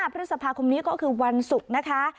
พฤษภาคมนี้ก็คือวันศุกร์นะคะ